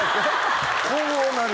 こうなる